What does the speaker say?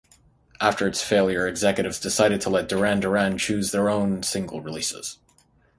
After its failure, executives decided to let Duran Duran choose their own single releases.